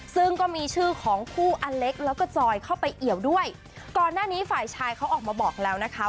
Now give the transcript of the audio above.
ซึ่งก็มีชื่อของคู่อเล็กแล้วก็จอยเข้าไปเอี่ยวด้วยก่อนหน้านี้ฝ่ายชายเขาออกมาบอกแล้วนะคะ